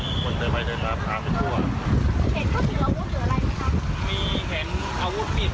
อาวุธปีบครับอ๋อเอามาไม่ใช่ไม่ใช่เหตุผลไม่ใช่เหตุจริง